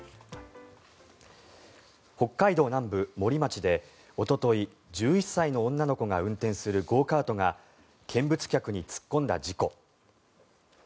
北海道南部、森町でおととい１１歳の女の子が運転するゴーカートが見物客に突っ込んだ事故。